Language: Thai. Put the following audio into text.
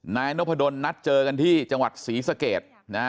นายนพดลนัดเจอกันที่จังหวัดศรีสเกตนะฮะ